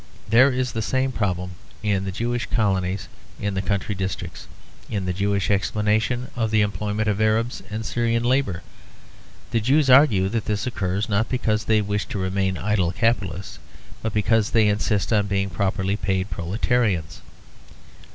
There is the same problem in the Jewish colonies in the country districts; in the Jewish explanation of the employment of Arab and Syrian labour. The Jews argue that this occurs, not because they wish to remain idle capitalists, but because they insist on being properly paid proletarians.